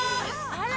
あら！